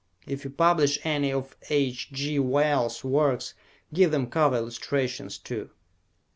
If you publish any of H. G. Wells' works, give them cover illustrations, too.